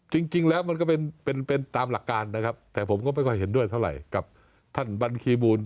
จริงแล้วมันก็เป็นตามหลักการนะครับแต่ผมก็ไม่ค่อยเห็นด้วยเท่าไหร่กับท่านบัญคีบูล